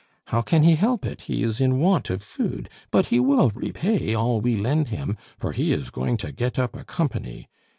How can he help it, he is in want of food; but he will repay all we lend him, for he is going to get up a company.